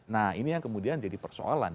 nah ini yang kemudian jadi persoalan